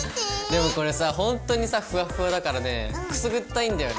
でもこれさほんとにさふわっふわだからねくすぐったいんだよね。